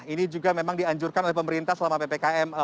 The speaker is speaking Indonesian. ini juga memang dianjurkan oleh pemerintah selama ppkm